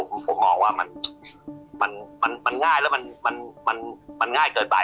ผมมองว่ามันง่ายแล้วมันง่ายเกินไป